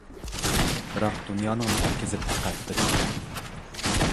بىراق دۇنيانىڭ مەركىزى پەقەت بىر ئىكەن.